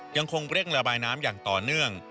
ยังคงเร่งระบายน้ำอย่างต่อเนื่อง